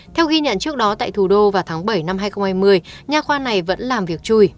theo ghi nhận trước đó tại thủ đô vào tháng bảy năm hai nghìn hai mươi nhà khoa này vẫn làm việc chui